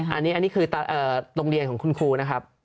อันนี้คือโรงเรียนของคุณครูนะครับ